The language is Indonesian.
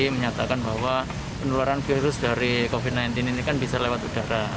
menyatakan bahwa penularan virus dari covid sembilan belas ini kan bisa lewat udara